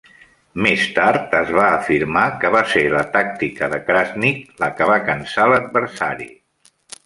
Més tard es va afirmar que va ser la tàctica de Krasniqi la que va cansar l'adversari.